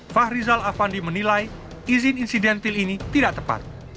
fahrizal afandi menilai izin insidentil ini tidak tepat